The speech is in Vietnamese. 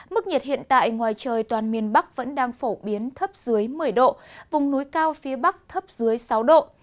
mức nhiệt hiện tại ngoài trời toàn miền bắc vẫn đang phổ biến thấp dưới một mươi độ vùng núi cao phía bắc thấp dưới sáu độ